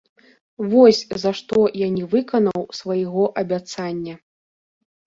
Вось за што я не выканаў свайго абяцання.